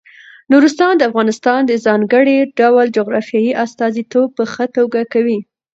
نورستان د افغانستان د ځانګړي ډول جغرافیې استازیتوب په ښه توګه کوي.